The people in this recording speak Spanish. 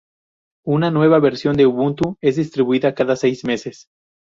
Una nueva versión de Ubuntu es distribuida cada seis meses.